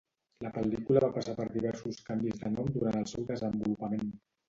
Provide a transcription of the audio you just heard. La pel·lícula va passar per diversos canvis de nom durant el seu desenvolupament.